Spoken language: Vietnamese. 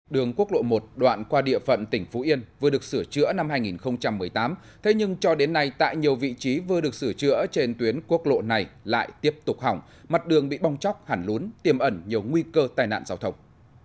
đường quốc lộ một đoạn qua địa phận tỉnh phú yên vừa được sửa chữa năm hai nghìn một mươi tám thế nhưng cho đến nay tại nhiều vị trí vừa được sửa chữa trên tuyến quốc lộ này lại tiếp tục hỏng mặt đường bị bong chóc hẳn lún tiêm ẩn nhiều nguy cơ tai nạn giao thông